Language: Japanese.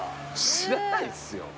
知らないっすよ。